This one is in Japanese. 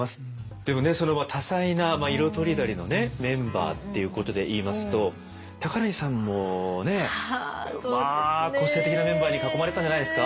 でもねその多彩な色とりどりのねメンバーっていうことでいいますと高柳さんもねまあ個性的なメンバーに囲まれてたんじゃないですか。